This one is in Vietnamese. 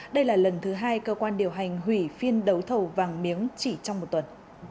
đây là lần thứ hai cơ quan điều hành hủy phiên đấu thầu vàng miếng chỉ trong một tuần